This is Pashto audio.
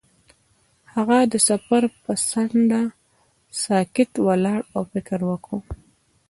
هغه د سفر پر څنډه ساکت ولاړ او فکر وکړ.